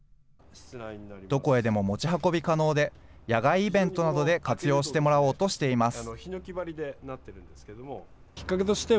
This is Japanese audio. どこへでも持ち運び可能で、野外イベントなどで活用してもらおうとしています。